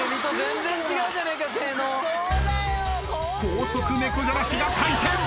高速猫じゃらしが回転。